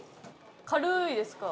「軽いですか？」